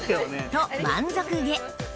と満足げ！